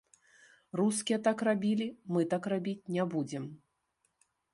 Рускія так рабілі, мы так рабіць не будзем.